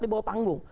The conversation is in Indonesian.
di bawah panggung